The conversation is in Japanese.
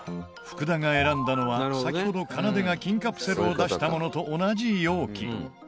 福田が選んだのは先ほどかなでが金カプセルを出したものと同じ容器。